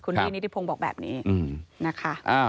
คุณพี่นิติพงศ์บอกแบบนี้นะคะ